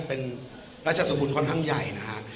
เป็นราชสกุลค่อนข้างใหญ่นะครับ